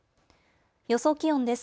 予想気温です。